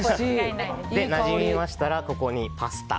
なじみましたら、ここにパスタ。